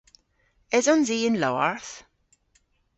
Esons i y'n lowarth?